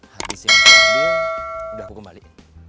habis yang berakhir udah aku kembali